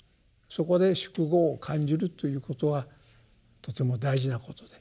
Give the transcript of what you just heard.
そこで「宿業」を感じるということはとても大事なことで。